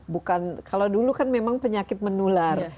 bukan kalau dulu kan memang penyakit menular